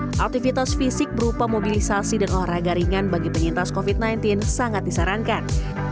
karena aktivitas fisik berupa mobilisasi dan olahraga ringan bagi penyintas covid sembilan belas sangat disarankan